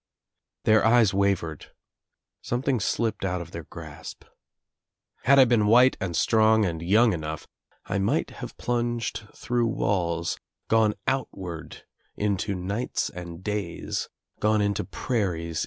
Their eyes wavered. Something slipped out of their grasp. Had I been white and strong and young enough I might have plunged through walls, gone outward into nights and days, gone into prairies.